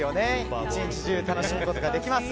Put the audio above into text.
１日中楽しむことができます。